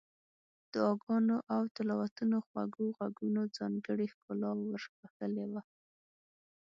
دعاګانو او تلاوتونو خوږو غږونو ځانګړې ښکلا ور بخښلې وه.